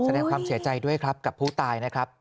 แสดงความเสียใจด้วยครับกับผู้ตายนะครับ